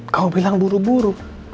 kau bilang buru buru